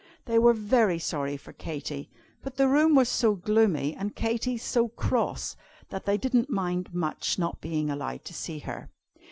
They were very sorry for Katy, but the room was so gloomy, and Katy so cross, that they didn't mind much not being allowed to see her.